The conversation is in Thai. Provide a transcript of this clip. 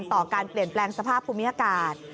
ต่อการเปลี่ยนแปลงสภาพภูมิอากาศ